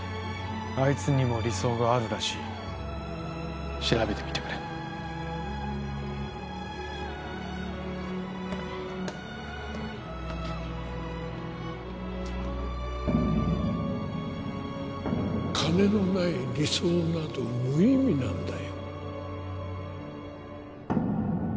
あいつにも理想があるらしい調べてみてくれ金のない理想など無意味なんだよ